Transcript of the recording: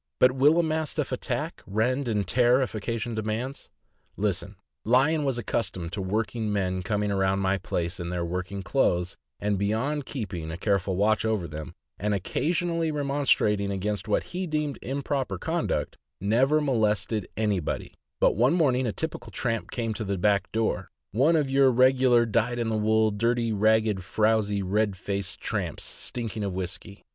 But will a Mastiff attack, rend, and tear if occasion demands? Listen: Lion was accustomed to working men coming around my place in their working clothes, and beyond keeping a careful watch over them, and occasion THE MASTIFF. 581 ally remonstrating against what he deemed improper con duct, never molested anybody; but one morning a typical tramp came to the back door— one of your regular dyed in the wool, dirty, ragged, frowsy, red faced tramps, stink ing of whisky.